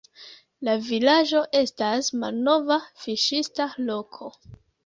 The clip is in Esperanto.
La vilaĝo estas malnova fiŝista loko.